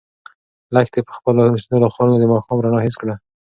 لښتې په خپلو شنو خالونو د ماښام رڼا حس کړه.